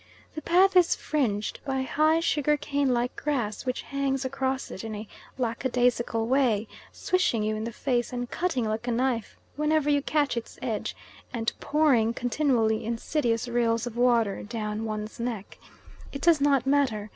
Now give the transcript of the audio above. The path is fringed by high, sugar cane like grass which hangs across it in a lackadaisical way, swishing you in the face and cutting like a knife whenever you catch its edge, and pouring continually insidious rills of water down one's neck. It does not matter.